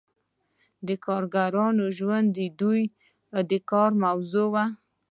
د کارګرانو ژوند د دوی د کار موضوع وه.